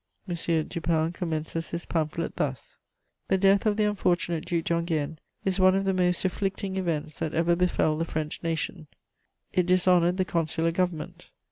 M. Dupin commences his pamphlet thus: "The death of the unfortunate Duc d'Enghien is one of the most afflicting events that ever befel the French nation: it dishonoured the consular government.